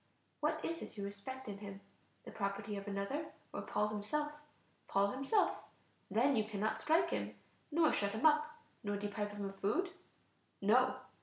What is it you respect in him? the property of another, or Paul himself? Paul himself. Then you cannot strike him, nor shut him up, nor deprive him of food? No.